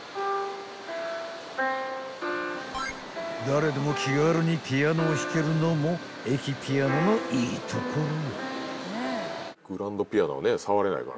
［誰でも気軽にピアノを弾けるのも駅ピアノのいいところ］